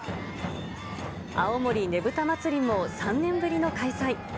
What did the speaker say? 青森ねぶた祭も３年ぶりの開催。